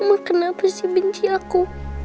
mama kenapa sih benci aku